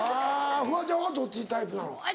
フワちゃんはどっちタイプなの？